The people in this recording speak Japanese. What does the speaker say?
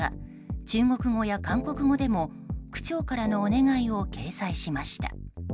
中国語や韓国語でも区長からのお願いを掲載しました。